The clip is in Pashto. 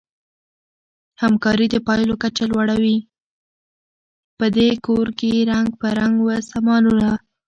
په دې کورکي رنګ په رنګ وه سامانونه